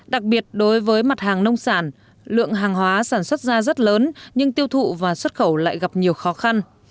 đặc biệt đối với mặt hàng nông sản lượng hàng hóa sản xuất ra rất lớn nhưng tiêu thụ và xuất khẩu lại gặp nhiều khó khăn